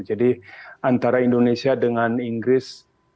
jadi antara indonesia dengan inggris